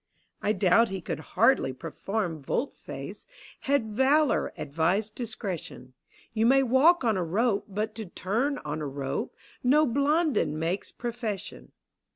I doubt he could hardly perform volte face Had valour advised discretion : You may walk on a rope, but to turn on a rope N<> Blondin makes profession.